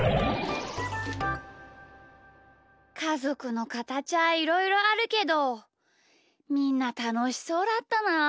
かぞくのかたちはいろいろあるけどみんなたのしそうだったなあ。